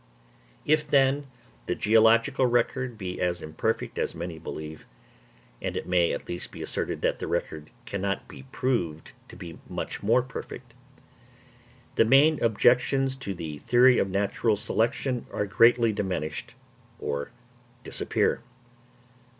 If, then, the geological record be as imperfect as many believe, and it may at least be asserted that the record cannot be proved to be much more perfect, the main objections to the theory of natural selection are greatly diminished or disappear.